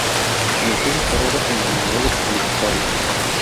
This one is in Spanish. Comenzó su carrera como modelo publicitaria.